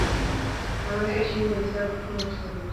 عامه سرچینې د حساب ورکونې غوښتنه کوي.